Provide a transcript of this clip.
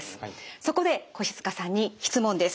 そこで越塚さんに質問です。